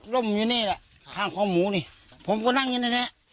ยุ่งอยู่เนี้ยแหละข้างของหมูนี่ผมก็นั่งอยู่นี่แหละ